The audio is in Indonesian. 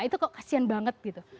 itu kok kasian banget gitu